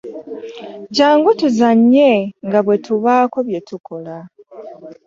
Jangu tuzanye nga bwetubaako byetukola.